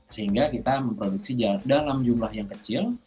sehingga kita memproduksi dalam jumlah yang kecil